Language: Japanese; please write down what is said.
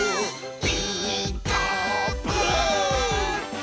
「ピーカーブ！」